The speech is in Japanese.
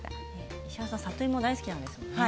石原さん、里芋大好きですもんね。